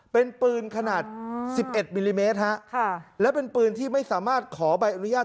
เป็นปืนขนาด๑๑มิลลิเมตรฮะค่ะและเป็นปืนที่ไม่สามารถขอใบอนุญาต